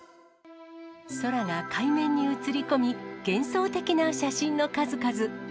空が海面に映り込み、幻想的な写真の数々。